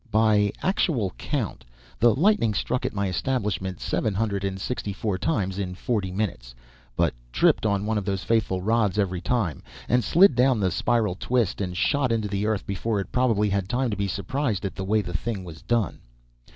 By actual count, the lightning struck at my establishment seven hundred and sixty four times in forty minutes, but tripped on one of those faithful rods every time, and slid down the spiral twist and shot into the earth before it probably had time to be surprised at the way the thing was done.